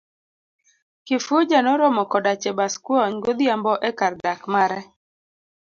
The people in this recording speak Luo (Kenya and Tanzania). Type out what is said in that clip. kifuja noromo koda Chebaskwony godhiambo ekar dak mare.